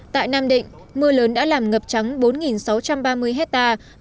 tại nam định mưa lớn đã làm ngập trắng bốn sáu trăm ba mươi hectare